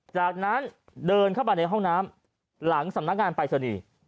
จากนั้นเดินเข้ามาในห้องน้ำหลังสำนักงานปรายศนีย์